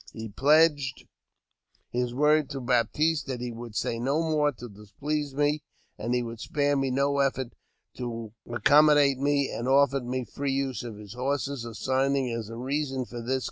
He pledged his word to Baptiste that he would say no more to displease me ; that he would spare no efforts to accommodate me, and offered me free use of his horses, assigning as a reason for this JAMES P.